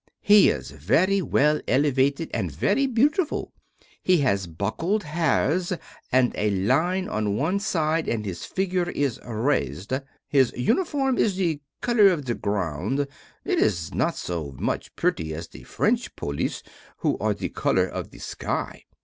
He is very well elevated and very beautiful. He has buckled hairs and a line on one side and his figure is razed. His uniform is the color of the ground; it is not so much pretty as the French Poilus who are the color of the sky.